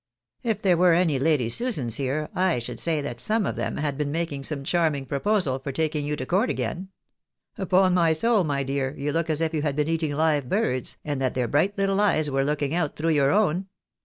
If there were any Lady Susans here, I should say that some of them had been making some charming proposal for taking you to court again. Upon my soul, my dear, you look as if you had been eating hve birds, and that their bright little eyes were looking out, through your own.